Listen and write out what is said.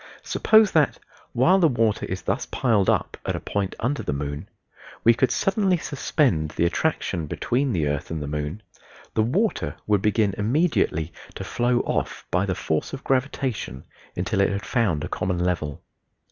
Suppose that (while the water is thus piled up at a point under the moon) we could suddenly suspend the attraction between the earth and the moon the water would begin immediately to flow off by the force of gravitation until it had found a common level.